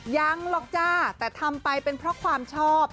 ยังหรอกจ้าแต่ทำไปเป็นเพราะความชอบ